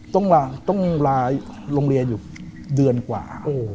ต้องลาโรงเรียนอยู่เดือนกว่า